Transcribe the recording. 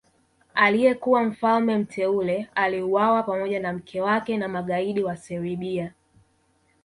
Aliyekuwa mfalme mteule aliuawa pamoja na mke wake na magaidi wa Serbia